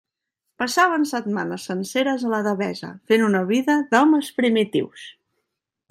Passaven setmanes senceres a la Devesa, fent una vida d'homes primitius.